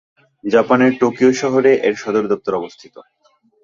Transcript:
জাপানের টোকিও শহরে এর সদরদপ্তর অবস্থিত।